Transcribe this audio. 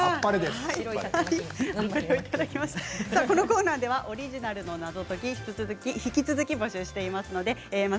このコーナーではオリジナルの謎解きを引き続き、募集しています。